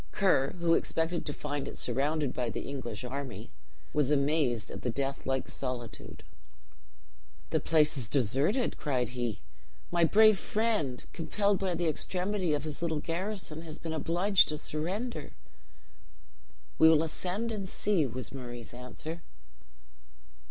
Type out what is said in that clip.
Ker, who expected to find it surrounded by the English army, was amazed at the death like solitude. "The place is deserted," cried he. "My brave friend, compelled by the extremity of his little garrison, has been obliged to surrender." "We will ascend and see," was Murray's answer.